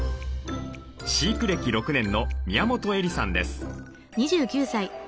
飼育歴６年の宮本恵里さんです。